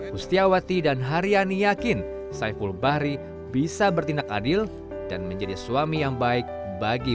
pustiawati dan haryani yakin saiful bahri bisa bertindak adil dan menjadi suami yang baik bagi